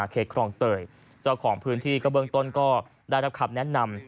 คลองเตยเจ้าของพื้นที่ก็เบื้องต้นก็ได้รับคำแนะนำ